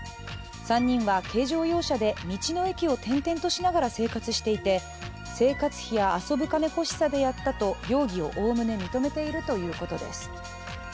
３人は軽乗用車で道の駅を転々としながら生活していて生活費や遊ぶ金欲しさにやったと容疑を概ね認めているということです。